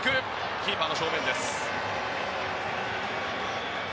キーパーの正面でした。